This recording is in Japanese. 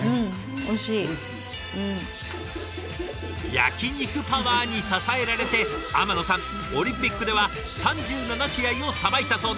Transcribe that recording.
焼き肉パワーに支えられて天野さんオリンピックでは３７試合を裁いたそうです。